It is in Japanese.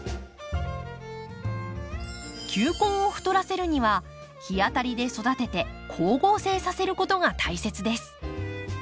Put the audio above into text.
球根を太らせるには日当たりで育てて光合成させることが大切です。